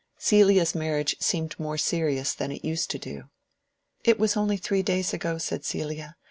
Celia's marriage seemed more serious than it used to do. "It was only three days ago," said Celia.